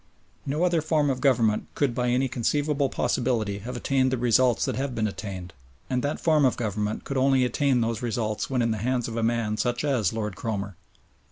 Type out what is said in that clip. No other form of Government could by any conceivable possibility have attained the results that have been attained, and that form of Government could only attain those results when in the hands of a man such as Lord Cromer.